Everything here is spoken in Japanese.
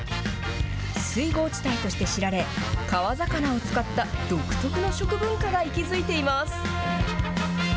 水郷地帯として知られ、川魚を使った独特の食文化が息づいています。